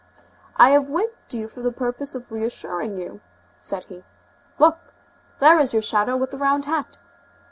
"I have waked you for the purpose of reassuring you," said he; "look, there is your shadow with the round hat."